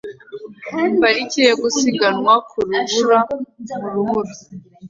Parike yo gusiganwa ku rubura mu rubura